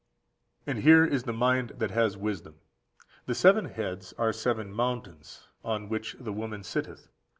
"And here is the mind that has wisdom. The seven heads are seven mountains, on which the woman sitteth.